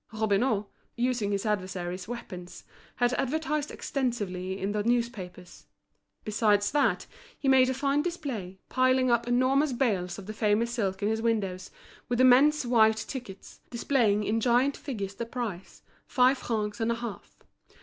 Robineau, using his adversary's weapons, had advertised extensively in the newspapers. Besides that, he made a fine display, piling up enormous bales of the famous silk in his windows, with immense white tickets, displaying in giant figures the price, five francs and a half.